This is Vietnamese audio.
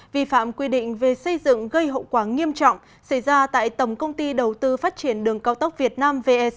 vi phạm quy định về xây dựng gây hậu quả nghiêm trọng xảy ra tại tổng công ty đầu tư phát triển đường cao tốc việt nam vec